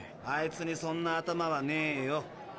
あいつにそんな頭はねえよ。